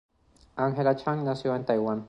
Angela Chang nació en Taiwán.